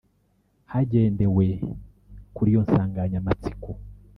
Hagendewe kuri iyo nsanganyamatsiko